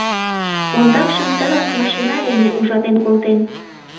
Ондакшым тыгак машина дене ужатен колтен.